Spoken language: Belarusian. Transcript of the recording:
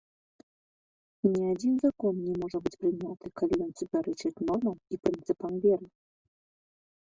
Ні адзін закон не можа быць прыняты, калі ён супярэчыць нормам і прынцыпам веры.